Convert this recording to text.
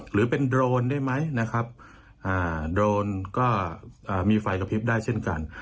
หรือเป็นโดรนได้ไหมนะครับโดรนก็มีไฟกระพริบได้เช่นกัน